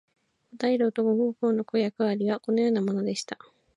五大老と五奉行の役割はこのようなものでした。